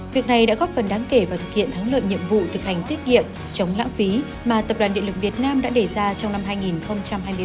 việc này đã góp phần đáng kể và thực hiện thắng lợi nhiệm vụ thực hành tiết kiệm chống lãng phí mà tập đoàn điện lực việt nam đã đề ra trong năm hai nghìn hai mươi ba